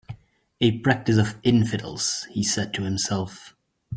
"A practice of infidels," he said to himself.